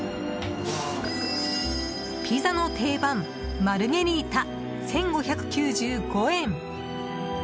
ピザの定番、マルゲリータ１５９５円。